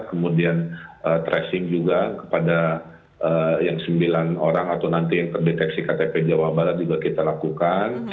kemudian tracing juga kepada yang sembilan orang atau nanti yang terdeteksi ktp jawa barat juga kita lakukan